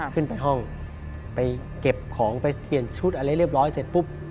ขึ้นไปห้องไปเก็บของไปเปลี่ยนชุดอะไรเรียบร้อยเสร็จปุ๊บ